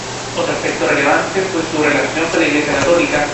Otro aspecto relevante fue su relación con la Iglesia católica.